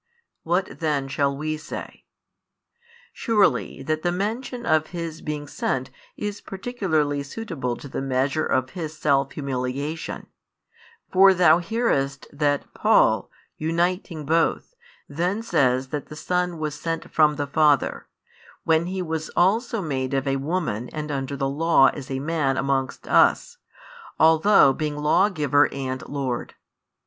What then shall we say? Surely, that the mention of His being sent is particularly suitable to the measure of His self humiliation; for thou nearest that Paul, uniting Both, then says that the Son was sent from the Father, when He was also made of a woman and under the Law as a Man amongst us, although being "Lawgiver and Lord.